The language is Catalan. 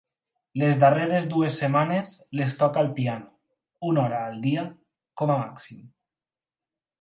Les darreres dues setmanes les toca al piano, una hora al dia com a màxim.